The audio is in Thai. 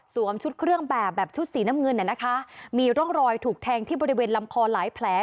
ชุดเครื่องแบบแบบชุดสีน้ำเงินน่ะนะคะมีร่องรอยถูกแทงที่บริเวณลำคอหลายแผล